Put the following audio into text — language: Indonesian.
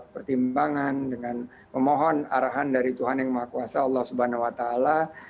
pertimbangan dengan memohon arahan dari tuhan yang maha kuasa allah subhanahu wa ta'ala